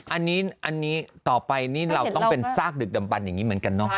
อันนี้นะอันนี้ต่อไปเราต้องเป็นชิ้นสักดึกดำบันเหมือนกันนก